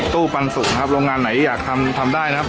ปันสุกครับโรงงานไหนอยากทำทำได้นะครับ